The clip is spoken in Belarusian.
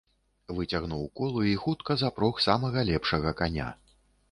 Выцягнуў колы і хутка запрог самага лепшага каня.